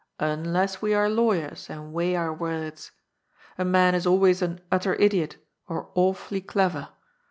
Unless we are lawyers and weigh our words. A man is always an * utter idiot' or * awfully clever.'